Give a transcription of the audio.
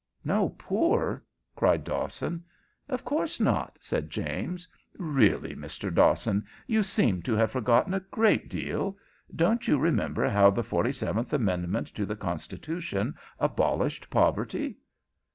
"No poor?" cried Dawson. "Of course not," said James. "Really. Mr. Dawson, you seem to have forgotten a great deal. Don't you remember how the forty seventh amendment to the Constitution abolished poverty?"